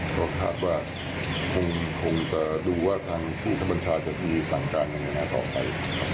ก็คาดว่าคงจะดูว่าทางผู้คับบัญชาจะมีสั่งการยังไงต่อไป